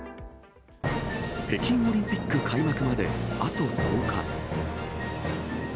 北京オリンピック開幕まであと１０日。